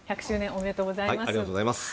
ありがとうございます。